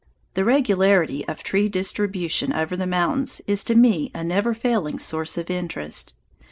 The regularity of tree distribution over the mountains is to me a never failing source of interest.